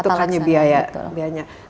untuk hanya biayanya